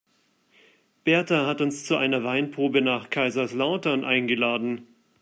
Berta hat uns zu einer Weinprobe nach Kaiserslautern eingeladen.